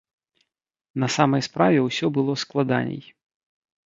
На самай справе ўсё было складаней.